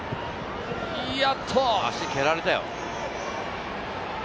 足蹴られたよ。